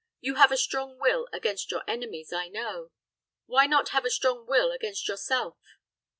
You have a strong will against your enemies, I know; why not have a strong will against yourself?"